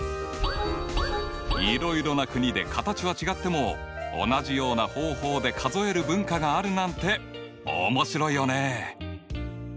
いろいろな国で形は違っても同じような方法で数える文化があるなんて面白いよね！